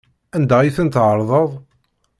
Anda i ten-tɛerḍeḍ?